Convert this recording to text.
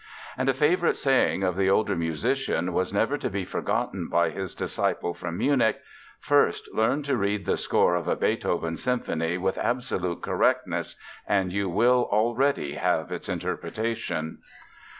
And a favorite saying of the older musician was never to be forgotten by his disciple from Munich: "First learn to read the score of a Beethoven symphony with absolute correctness, and you will already have its interpretation."